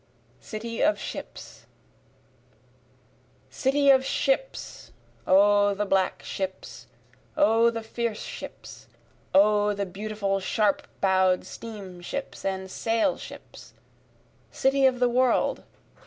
City of Ships City of ships! (O the black ships! O the fierce ships! O the beautiful sharp bow'd steam ships and sail ships!) City of the world!